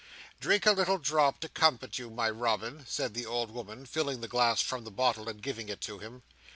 "Drink a little drop to comfort you, my Robin," said the old woman, filling the glass from the bottle and giving it to him.